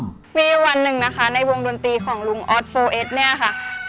มีวันหนึ่งนะคะในวงดนตรีของลุงออสโฟเอสเนี่ยค่ะ